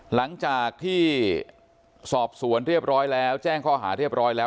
หลังจากที่สอบสวนเรียบร้อยแล้วแจ้งข้อหาเรียบร้อยแล้ว